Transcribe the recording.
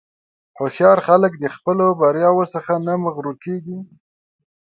هوښیار خلک د خپلو بریاوو نه مغرور نه کېږي.